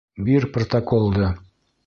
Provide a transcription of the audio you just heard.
Бир протоколды!